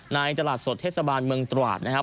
ตลาดสดเทศบาลเมืองตราดนะครับ